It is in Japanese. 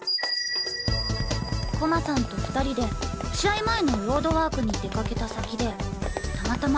駒さんと２人で試合前のロードワークに出かけた先でたまたま。